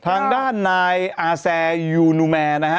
ทางด้านนายเอาทีอาเซอยูนูแมร์นะฮะ